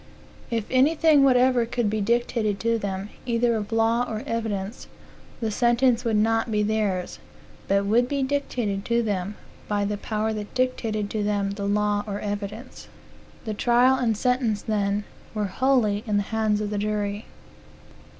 If anything whatever could be dictated to them, either of law or evidence, the sentence would not be theirs, but would be dictated to them by the power that dictated to them the law or evidence. The trial nd sentence, then, were wholly in the hands of the jury.